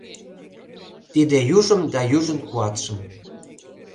Тиде южым да южын куатшым